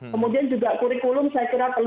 kemudian juga kurikulum saya kira perlu